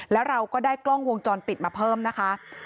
แล้วเราก็ได้กล้องวงจรปิดมาเพิ่มนะคะ